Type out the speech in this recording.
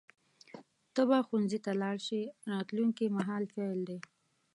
ته به ښوونځي ته لاړ شې راتلونکي مهال فعل دی.